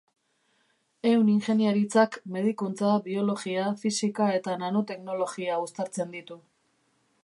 Ehun-ingeniaritzak medikuntza, biologia, fisika eta nanoteknologia uztartzen ditu.